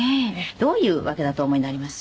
どういう訳だとお思いになります？